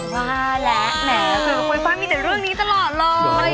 ว่าแล้วแหมมีแต่เรื่องนี้ตลอดเลย